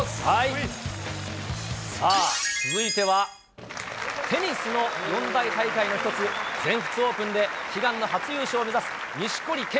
さあ、続いては、テニスの四大大会の一つ、全仏オープンで、悲願の初優勝を目指す錦織圭。